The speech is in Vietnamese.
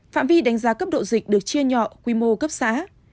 phạm vi đánh giá cấp độ dịch được chia nhỏ quy mô cấp xã